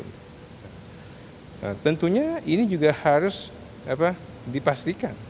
nah tentunya ini juga harus dipastikan